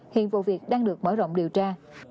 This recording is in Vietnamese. hiện vụ việc đang được mở rộng điều tra